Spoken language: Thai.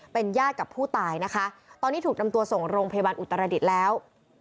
เป็นญาติกับผู้ตายนะคะตอนนี้ถูกนำตัวส่งโรงพยาบาลอุตรดิษฐ์แล้ว